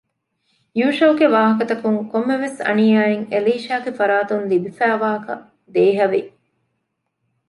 ޔޫޝައުގެ ވާހަކަތަކުން ކޮންމެވެސް އަނިޔާއެއް އެލީޝާގެފަރާތުން ލިބިފައިވާކަށް ދޭހަވި